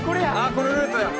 これルーレットや。